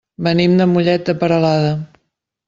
Venim de Mollet de Peralada.